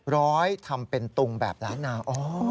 ร้อยทำเป็นตุงแบบล้านนา